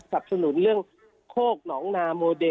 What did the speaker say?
สนุนเรื่องโคกหนองนาโมเด